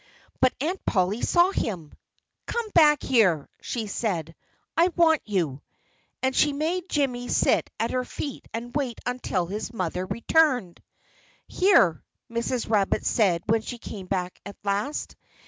But Aunt Polly saw him. "Come back here!" she said. "I want you!" And she made Jimmy sit at her feet and wait until his mother returned. "Here!" Mrs. Rabbit said when she came back at last.